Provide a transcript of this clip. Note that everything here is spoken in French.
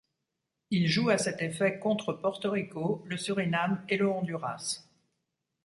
Il joue à cet effet contre Porto Rico, le Suriname et le Honduras.